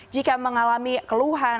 jika mengalami keluhan